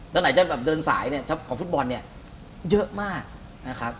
แล้วไหนจะแบบเดินสายเนี่ยของฟุตบอลเนี่ยเยอะมากนะครับ